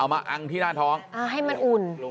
เอามาอั้งที่หน้าท้องเอาให้มันอุ่น